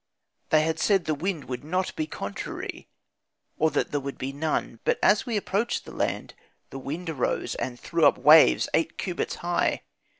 They had said that the wind would not be contrary, or that there would be none. But as we approached the land the wind arose, and threw up waves eight cubits high.